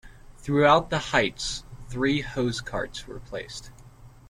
Throughout the Heights three hose carts were placed.